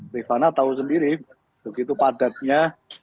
rifana tahu sendiri begitu padatnya